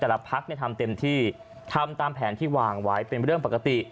พักเนี่ยทำเต็มที่ทำตามแผนที่วางไว้เป็นเรื่องปกติ